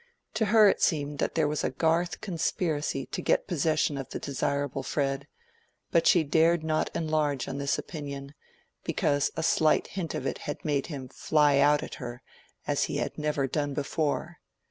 To her it seemed that there was a Garth conspiracy to get possession of the desirable Fred, but she dared not enlarge on this opinion, because a slight hint of it had made him "fly out" at her as he had never done before.